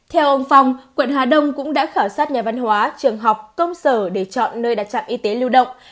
theo ông phong quận hà đông cũng đã khảo sát nhà văn hóa trường học công sở để chọn nơi đặt trạm y tế lưu động